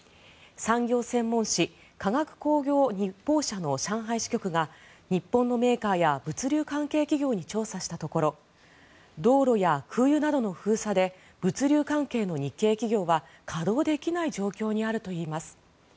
産業専門紙、化学工業日報社の上海支局が日本のメーカーや物流関係企業に調査したところ道路や空輸などの封鎖で物流関係の日系企業は稼働できない状況にあるといいます。